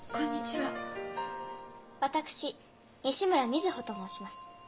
私西村瑞穂と申します。